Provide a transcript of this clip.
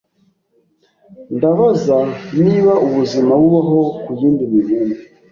Ndabaza niba ubuzima bubaho ku yindi mibumbe.